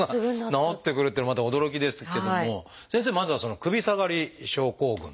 治ってくるっていうのもまた驚きですけども先生まずはその「首下がり症候群」。